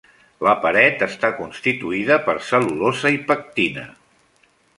La paret està constituïda per cel·lulosa i pectina.